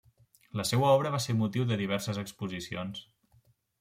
La seua obra va ser motiu de diverses exposicions.